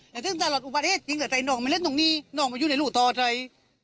แต่ถึงตลอดอุบัติเนี่ยจริงแต่น้องมันเล่นตรงนี้น้องมันอยู่ในหลู่ต่อใจ